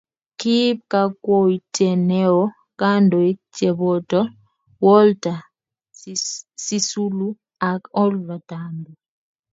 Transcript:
kiib kakwoutie neoo kandoik cheboto Walter Sisulu ak Oliver Tambo